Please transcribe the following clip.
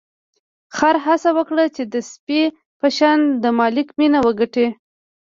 خر هڅه وکړه چې د سپي په شان د مالک مینه وګټي.